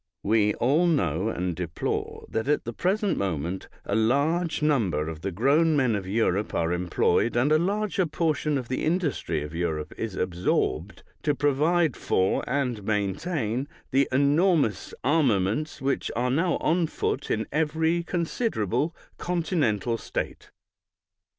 We all know and deplore that at the present moment a larger number of the grown men of Europe are employed, and a larger portion of the industry of Europe is absorbed, to provide for, and maintain, the enormous armaments which are now on foot in every considerable continental state.